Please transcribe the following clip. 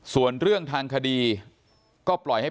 ส่วนเรื่องทางคดีก็ปล่อยให้เป็นหน้าที่ของ